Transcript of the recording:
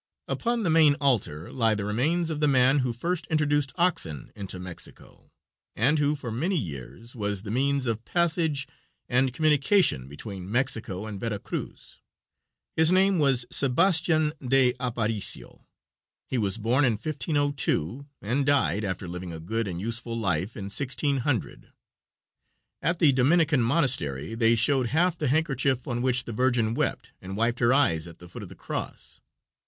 Upon the main altar lie the remains of the man who first introduced oxen into Mexico, and who for many years was the means of passage and communication between Mexico and Vera Cruz. His name was Sebastian de Aparicio. He was born in 1502, and died, after living a good and useful life, in 1600. At the Dominican Monastery they showed half the handkerchief on which the Virgin wept and wiped her eyes at the foot of the cross.